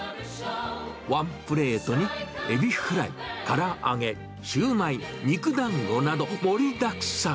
ワンプレートにエビフライ、から揚げ、シューマイ、肉だんごなど、盛りだくさん。